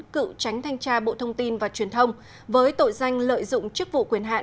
cựu tránh thanh tra bộ thông tin và truyền thông với tội danh lợi dụng chức vụ quyền hạn